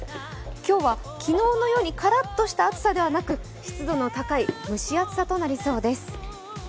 今日は、昨日のようにからっとした暑さではなく湿度の高い蒸し暑さとなりそうです。